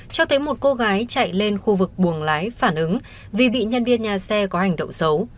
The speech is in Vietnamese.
cho thấy một cô gái chạy lên khu vực buồng lái phản ứng vì bị nhân viên nhà xe có hành động xấu